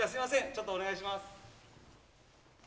ちょっとお願いします